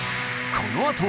このあとは